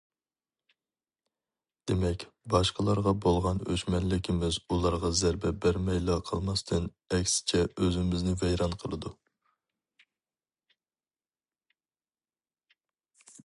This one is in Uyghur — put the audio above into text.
دېمەك، باشقىلارغا بولغان ئۆچمەنلىكىمىز ئۇلارغا زەربە بېرەلمەيلا قالماستىن، ئەكسىچە ئۆزىمىزنى ۋەيران قىلىدۇ.